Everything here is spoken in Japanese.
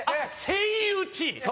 「セイウチ」！